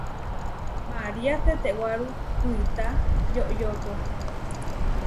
Maria tetewáru kuitá yoyóko.